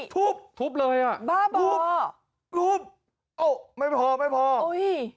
ทุบทุบเลยอ่ะบ้าบ่ออุ๊บไม่พอไม่พออุ๊ย